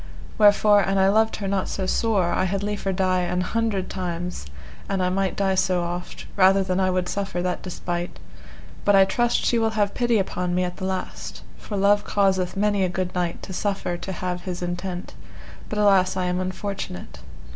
Wherefore an I loved her not so sore, I had liefer die an hundred times, an I might die so oft, rather than I would suffer that despite; but I trust she will have pity upon me at the last, for love causeth many a good knight to suffer to have his entent, but alas I am unfortunate.